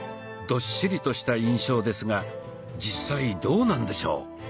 どっしりとした印象ですが実際どうなんでしょう？